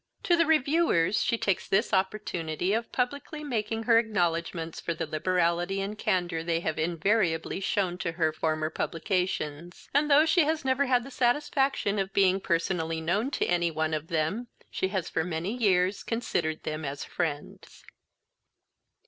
To the Reviewers she takes this opportunity of publicly making her acknowledgements for the liberality and candour they have invariably shewn to her former publications; and, though she has never had the satisfaction of being personally known to any one of them, she has for many years considered them as friends.